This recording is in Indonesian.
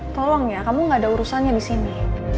tolong ya kamu gak ada urusannya di sini